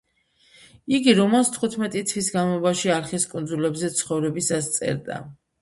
იგი რომანს თხუთმეტი თვის განმავლობაში არხის კუნძულებზე ცხოვრებისას წერდა.